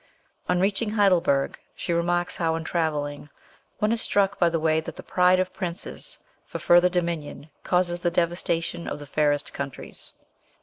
On reaching Heidelberg, she remarks how, in travelling, one is struck by the way that the pride of princes for further dominion causes the devastation of the fairest countries.